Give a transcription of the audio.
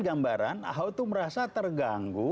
gambaran ahok itu merasa terganggu